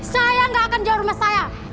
saya nggak akan jauh rumah saya